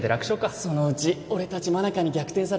そのうち俺たち真中に逆転されるな